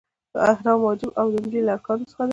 احرام واجب او د عمرې له ارکانو څخه دی.